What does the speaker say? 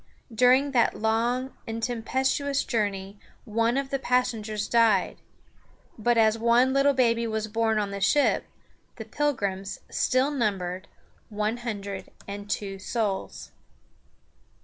During that long and tempestuous journey one of the passengers died; but as one little baby was born on the ship, the Pilgrims still numbered one hundred and two souls.